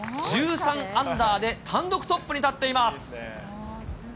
１３アンダーで単独トップに立っています。